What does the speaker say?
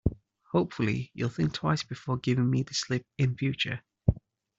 Hopefully, you'll think twice before giving me the slip in future.